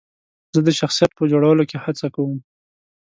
زه د ښه شخصیت په جوړولو کې هڅه کوم.